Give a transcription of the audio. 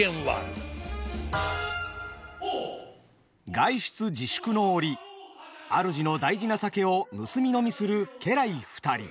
外出自粛の折主の大事な酒を盗み飲みする家来二人。